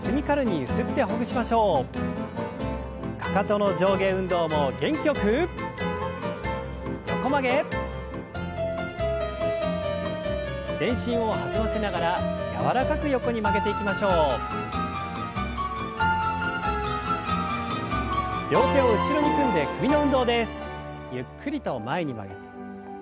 ゆっくりと前に曲げて。